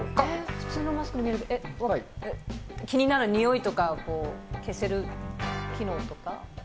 普通のマスクに見えるけど、気になる匂いとかを消せる機能とか？